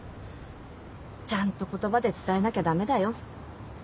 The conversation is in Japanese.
ちゃんと言葉で伝えなきゃ駄目だよ。